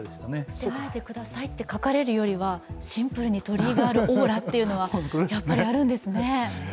捨てないでくださいと書かれるよりはシンプルに鳥居があるオーラはやっぱりあるんですね。